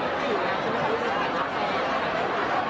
พี่สุดท้ายมีภาพความที่จะเครียดในพฤติอยู่แล้ว